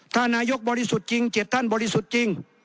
ถ้านายกบริสุทธิ์จริง๗ท่านบริสุทธิ์จริง